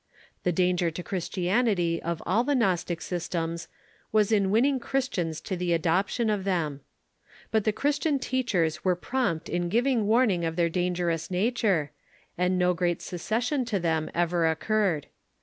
The danger to Chris tianity of all the Gnostic systems Avas in Avinning Christians to the adoption of them. But the Christian teachers Avere prompt in giving Avarning of their dangerous nature, and no great seces sion to them ever occurred.